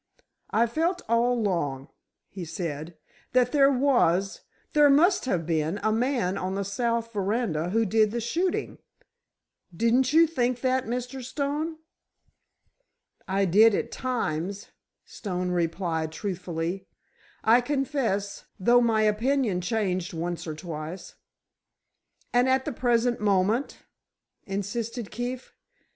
"I felt all along," he said, "that there was—there must have been a man on the south veranda who did the shooting. Didn't you think that, Mr. Stone?" "I did at times," Stone replied, truthfully. "I confess, though my opinion changed once or twice." "And at the present moment?" insisted Keefe.